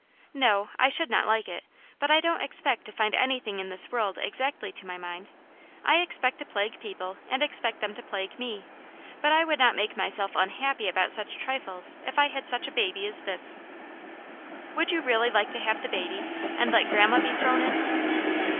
'* No, I should not like it. But I don't expect to find anything in this world exactly to my mind. I expect to plague people and expect them to plague me. But I would not make myself unhappy about such trifles \i I had such a baby as >i}cC\sr 230 Aunt Janets Hero. " Would you really like to have the baby and let grandma be thrown in."